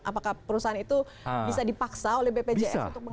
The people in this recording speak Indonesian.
apakah perusahaan itu bisa dipaksa oleh bpjs untuk mengembangkan